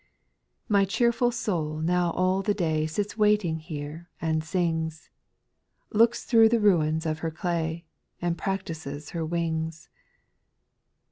3. My cheerful soul now all the day Sits waiting here and sings. Looks thro' the ruins of her clay. And practises her wings.